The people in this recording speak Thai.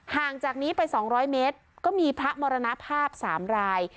ห่างจากนี้ไป๒๐๐เมตรก็มีพระมรณภาพ๓ราย